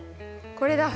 これだ！